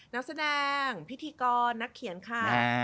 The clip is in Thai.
นักแสดงพิธีกรนักเขียนค่ะ